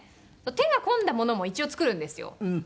手が込んだものも一応作るんですよ。